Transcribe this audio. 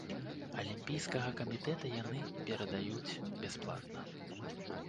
Алімпійскага камітэта яны перадаюць бясплатна.